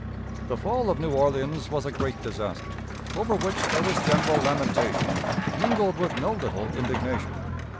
The fall of New Orleans was a great disaster, over which there was general lamentation, mingled with no little indignation.